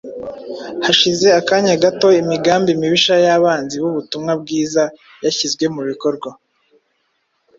Hashize akanya gato, imigambi mibisha y’abanzi b’ubutumwa bwiza yashyizwe mu bikorwa.